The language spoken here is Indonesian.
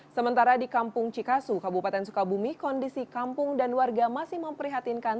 sementara di kampung cikasu kabupaten sukabumi kondisi kampung dan warga masih memprihatinkan